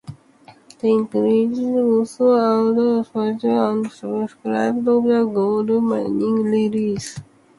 The incident arose over the forfeiture and subsequent reinstatement of a gold mining lease.